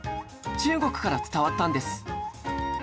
中国から伝わったんです